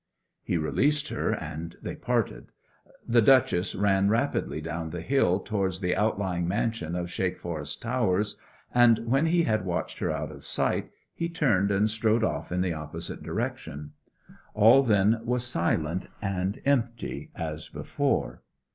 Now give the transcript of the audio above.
He released her, and they parted. The Duchess ran rapidly down the hill towards the outlying mansion of Shakeforest Towers, and when he had watched her out of sight, he turned and strode off in the opposite direction. All then was silent and empty as before.